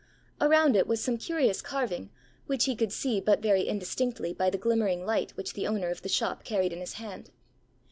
Around it was some curious carving, which he could see but very indistinctly by the glimmering light which the owner of the shop carried in his hand.